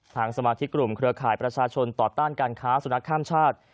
สมาธิกลุ่มเครือข่ายประชาชนต่อต้านการค้าสุนัขข้ามชาติ